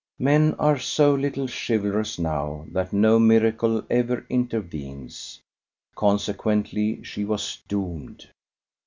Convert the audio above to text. Men are so little chivalrous now that no miracle ever intervenes. Consequently she was doomed.